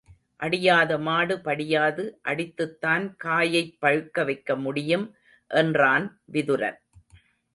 அடியாத மாடு படியாது அடித்துத்தான் காயைப் பழுக்க வைக்க முடியும் என்றான் விதுரன்.